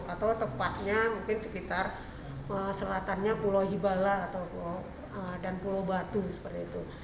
atau tepatnya mungkin sekitar selatannya pulau hibala dan pulau batu seperti itu